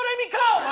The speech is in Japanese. お前。